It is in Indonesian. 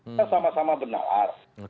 kita sama sama bernalar